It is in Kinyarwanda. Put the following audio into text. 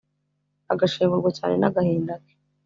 Agashengurwa cyane nagahinda ke